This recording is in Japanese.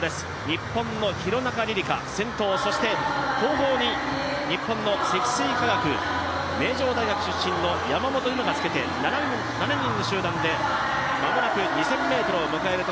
日本の廣中璃梨佳、先頭、そして後方に日本の積水化学の山本有真がつけて７人の集団で２０００ｍを迎えます。